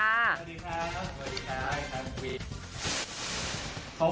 สวัสดีครับสวัสดีครับครับวิว